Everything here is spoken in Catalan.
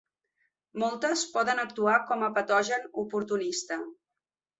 Moltes poden actuar com a patogen oportunista.